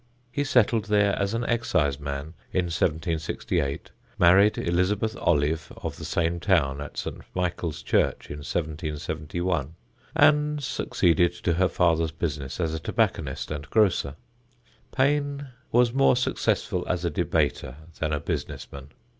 He settled there as an exciseman in 1768, married Elizabeth Ollive of the same town at St. Michael's Church in 1771, and succeeded to her father's business as a tobacconist and grocer. Paine was more successful as a debater than a business man.